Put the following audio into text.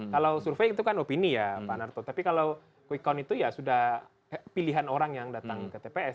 kalau survei itu kan opini ya pak narto tapi kalau quick count itu ya sudah pilihan orang yang datang ke tps